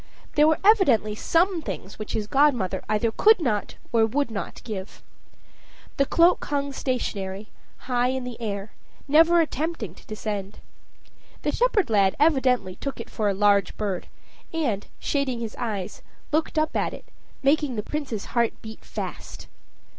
There were evidently some things which his godmother either could not or would not give. The cloak hung stationary, high in air, never attempting to descend. The shepherd lad evidently took it for a large bird, and, shading his eyes, looked up at it, making the Prince's heart beat fast.